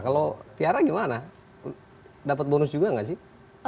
kalau tiara gimana dapat bonus juga nggak sih